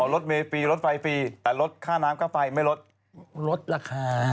รถเมฟรีลดไฟฟรีแต่ลดค่าน้ำค่าไฟไม่ลดลดราคา